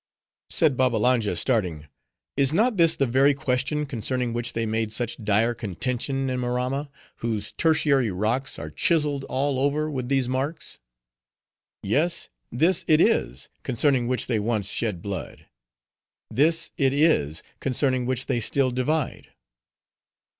Said Babbalanja, starting, "Is not this the very question concerning which they made such dire contention in Maramma, whose tertiary rocks are chisseled all over with these marks? Yes; this it is, concerning which they once shed blood. This it is, concerning which they still divide."